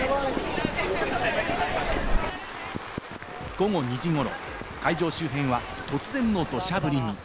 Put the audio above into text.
午後２時頃、会場周辺は突然の土砂降りに。